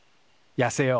やせよう。